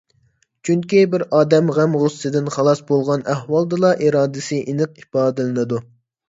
چۈنكى، بىر ئادەم غەم ـ غۇسسىدىن خالاس بولغان ئەھۋالدىلا ئىرادىسى ئېنىق ئىپادىلىنىدۇ.